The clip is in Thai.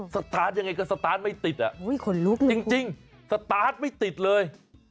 สตาร์ทยังไงก็สตาร์ทไม่ติดอ่ะขนลุกเลยจริงสตาร์ทไม่ติดเลย